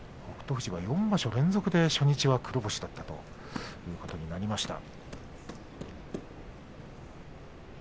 富士は４場所連続で初日は黒星だったということになりました。